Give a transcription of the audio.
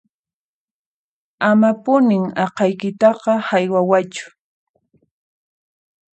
Amapuni aqhaykitaqa haywawaychu